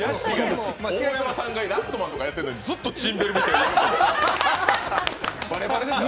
大山さんが「ラストマン」とかやってるのに、ずっとチン見てるのバレバレでしたよ。